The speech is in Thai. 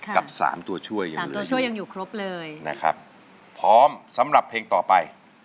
กับ๓ตัวช่วยยังอยู่ครบเลยพร้อมสำหรับเพลงต่อไป